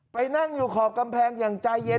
ไปนั่งอยู่ขอบกำแพงอย่างใจเย็น